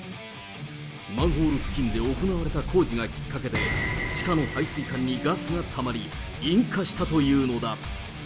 マンホール付近で行われた工事がきっかけで、地下の排水管にガスがたまり、引火したというのだ。